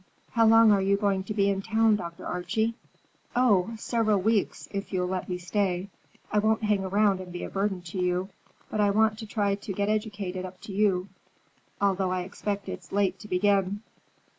"How long are you going to be in town, Dr. Archie?" "Oh, several weeks, if you'll let me stay. I won't hang around and be a burden to you, but I want to try to get educated up to you, though I expect it's late to begin."